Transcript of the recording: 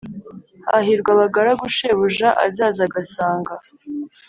Hahirwa abagaragu shebuja azaza agasanga